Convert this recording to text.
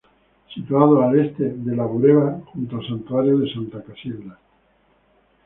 Situado al este de La Bureba junto al Santuario de Santa Casilda.